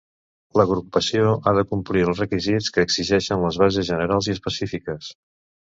L'agrupació ha de complir els requisits que exigeixen les bases generals i específiques.